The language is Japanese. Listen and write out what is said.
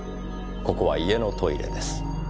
「ここは家のトイレです」